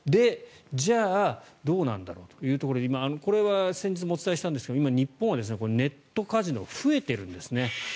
じゃあ、どうなんだろうというところでこれは先日もお伝えしたんですが日本はネットカジノ増えているんですね。